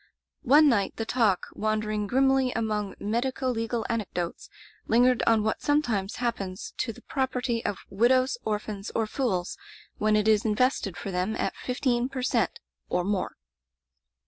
One night the talk, wandering grimly among medico legal anecdotes, lingered on what sometimes happens to the property of widows, orphans, or fools when it is invested for them at fifteen per cent, or more.